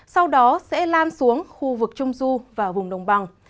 sau đó sẽ lan xuống khu vực trung du và vùng đồng bằng